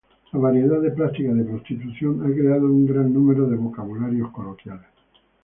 La variedad de prácticas de prostitución ha creado un gran número de vocabularios coloquiales.